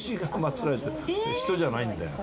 人じゃないんだよ。